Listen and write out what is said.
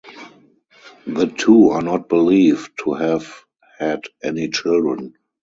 The two are not believed to have had any children.